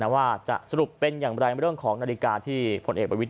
ว่าจะสรุปเป็นอย่างไรเรื่องของนาฬิกาที่ผลเอกประวิทย